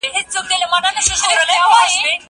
هغه وويل چي زده کړه مهمه ده.